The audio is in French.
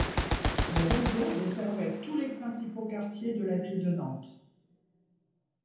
Le réseau desservait tous les principaux quartiers de la ville de Nantes.